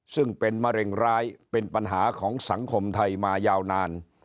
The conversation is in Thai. ซึ่งเป็นมะเร็งร้ายเป็นปัญหาของสังคมไทยมายาวนาน